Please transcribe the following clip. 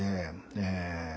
ええ。